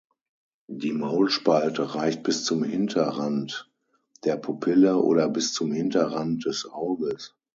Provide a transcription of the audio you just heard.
Die Maulspalte reicht bis zum Hinterrand der Pupille oder bis zum Hinterrand des Auges.